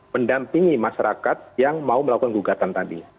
mendampingi masyarakat yang mau melakukan gugatan tadi